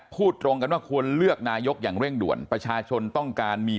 พูดตรงกันว่าควรเลือกนายกอย่างเร่งด่วนประชาชนต้องการมี